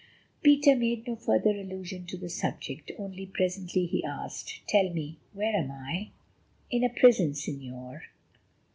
Peter made no further allusion to the subject, only presently he asked: "Tell me, where am I?" "In a prison, Señor."